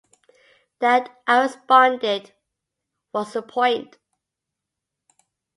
That, I responded, was the point.